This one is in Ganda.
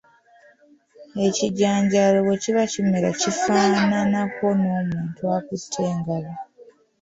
Ekijanjaalo bwe kiba kimera kifaananako n’omuntu akutte engabo.